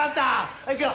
はいいくよ。